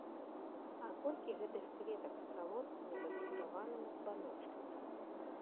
А колькі гэтых кветак з салодкімі, зацукраванымі збаночкамі!